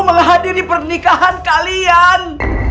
menghadiri pernikahan kalian